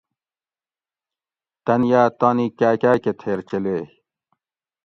تن یاۤ تانی کاۤکاۤ کہ تھیر چلیئ